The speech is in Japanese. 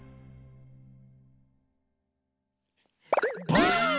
ばあっ！